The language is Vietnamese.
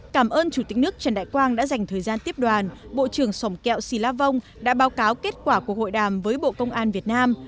cảm ơn chủ tịch nước trần đại quang đã dành thời gian tiếp đoàn bộ trưởng sòng kẹo si la vong đã báo cáo kết quả của hội đàm với bộ công an việt nam